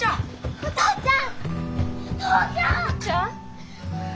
お父ちゃん！